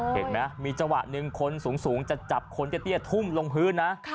เห็นมั้ยมีเจาะหนึ่งคนสูงจะจับคนที่เตี้ยทุ่มลงพื้นนะ